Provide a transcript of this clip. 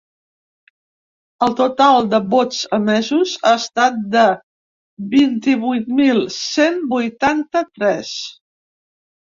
El total de vots emesos ha estat de vint-i-vuit mil cent vuitanta-tres .